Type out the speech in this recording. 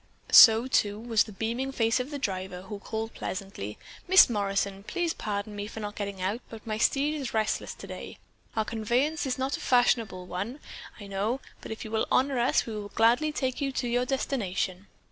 So, too, was the beaming face of the driver, who called pleasantly: "Miss Morrison, please pardon me for not getting out, but my steed is restless today. Our conveyance is not a fashionable one, I know, but if you will honor us, we will gladly take you to your destination."